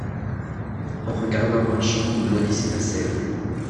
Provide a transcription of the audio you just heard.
En regardant un-champ vous maudissez la sève ;